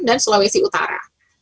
dan sulawesi utara